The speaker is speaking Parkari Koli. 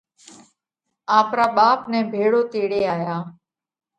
آپرا ٻاپ نئہ ڀيۯو تيڙي آيا۔